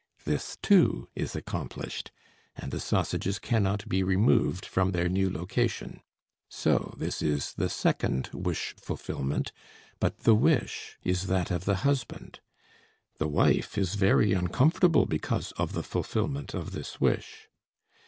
This, too, is accomplished, and the sausages cannot be removed from their new location. So this is the second wish fulfillment, but the wish is that of the husband. The wife is very uncomfortable because of the fulfillment of this wish.